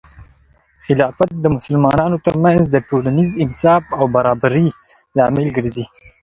خلافت د مسلمانانو ترمنځ د ټولنیز انصاف او برابري لامل ګرځي.